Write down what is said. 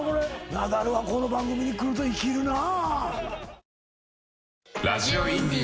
ナダルはこの番組来ると生きるなぁ。